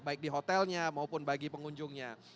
baik di hotelnya maupun bagi pengunjungnya